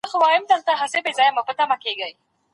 ما په دولسم ټولګي کي د مناره ګم ګشته کتاب ولوست.